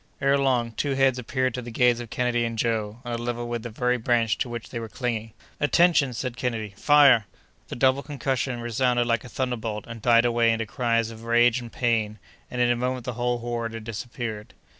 Ere long, two heads appeared to the gaze of Kennedy and Joe, on a level with the very branch to which they were clinging. "Attention!" said Kennedy. "Fire!" The double concussion resounded like a thunderbolt and died away into cries of rage and pain, and in a moment the whole horde had disappeared.